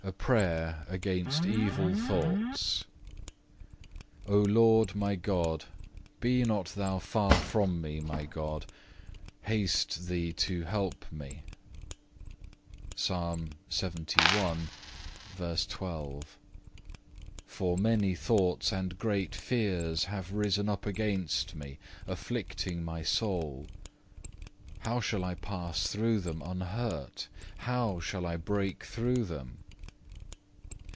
A PRAYER AGAINST EVIL THOUGHTS 5. O Lord my God, be not Thou far from me, my God, haste Thee to help me,(1) for many thoughts and great fears have risen up against me, afflicting my soul. How shall I pass through them unhurt? how shall I break through them?